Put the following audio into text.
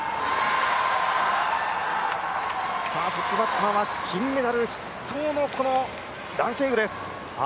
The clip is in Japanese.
トップバッターは金メダル筆頭の蘭星宇です。